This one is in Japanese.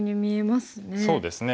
そうですね